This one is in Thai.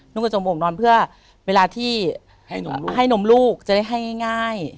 กระจมโอ่งนอนเพื่อเวลาที่ให้นมลูกจะได้ให้ง่าย